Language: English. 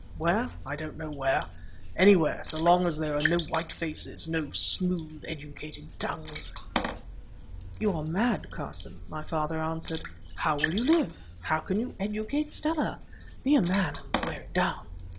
Where? I don't know where. Anywhere, so long as there are no white faces, no smooth educated tongues——" "You are mad, Carson," my father answered. "How will you live? How can you educate Stella? Be a man and wear it down."